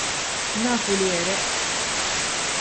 Nafu li għereq.